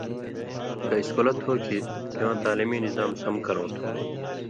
کہ اِسکُلہ تھو کھیں سِواں تعلیمی نظام سم کرؤں تُھو۔